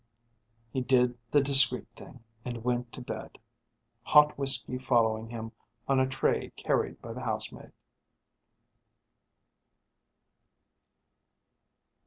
He did the discreet thing and went to bed, hot whisky following him on a tray carried by the housemaid.